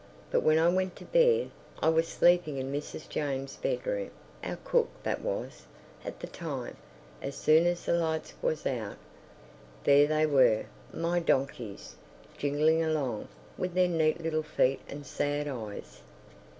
But when I went to bed—I was sleeping in Mrs. James's bedroom, our cook that was, at the time—as soon as the lights was out, there they were, my donkeys, jingling along, with their neat little feet and sad eyes....